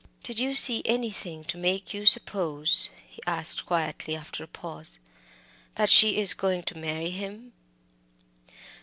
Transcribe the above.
"Did you see anything to make you suppose," he asked quietly, after a pause, "that she is going to marry him?"